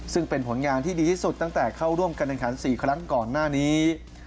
ซึ่งเป็นผลงานที่ดีที่สุดตั้งแต่เข้าร่วมการแข่งขัน๔ครั้งก่อนหน้านี้